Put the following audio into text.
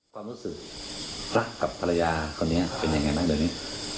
ความรู้สึกรักกับภรรยาคนนี้เป็นยังไงบ้างเดี๋ยวนี้